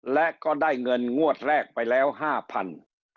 และก็ได้เงินงวดแรกไปแล้ว๕๐๐บาท